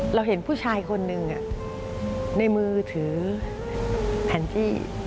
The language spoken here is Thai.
เราเห็นผู้ชายคนหนึ่งในมือถือแผนกี้